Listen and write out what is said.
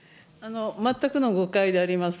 全くの誤解であります。